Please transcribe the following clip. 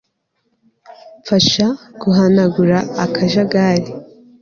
Mfasha guhanagura akajagari